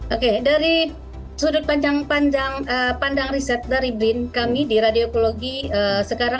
oke dari sudut pandang riset dari blinn kami di radio ekologi sekarang